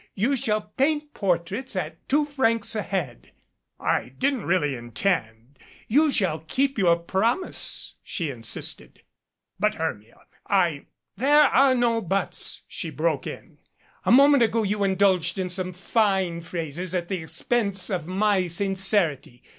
You shall paint portraits at two francs a head." "I didn't really intend " "You shall keep your promise," she insisted. "But, Hermia, I " "There are no 'buts' !" she broke in. "A moment ago you indulged in some fine phrases at the expense of my sincerity.